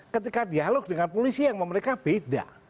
ketika dialog dengan polisi yang mereka beda